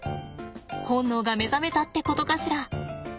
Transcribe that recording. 本能が目覚めたってことかしら。